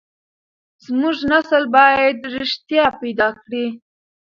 زموږ نسل بايد رښتيا پيدا کړي.